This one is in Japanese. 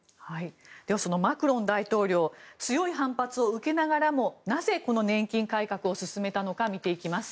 では、そのマクロン大統領強い反発を受けながらもなぜこの年金改革を進めたのか見ていきます。